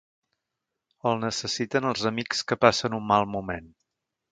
El necessiten els amics que passen un mal moment.